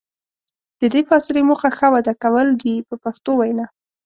د دې فاصلې موخه ښه وده کول دي په پښتو وینا.